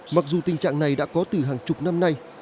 mặc dù tình trạng này đã có từ hàng chục năm nay